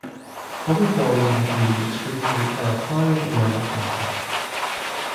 Other forms of intermediate scrutiny are applied in other contexts.